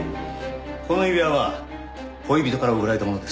この指輪は恋人から贈られたものです。